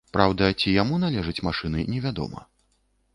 Праўда, ці яму належаць машыны невядома.